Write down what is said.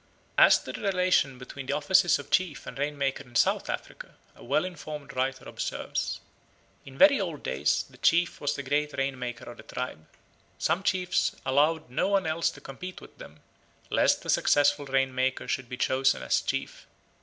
As to the relation between the offices of chief and rain maker in South Africa a well informed writer observes: "In very old days the chief was the great Rain maker of the tribe. Some chiefs allowed no one else to compete with them, lest a successful Rain maker should be chosen as chief.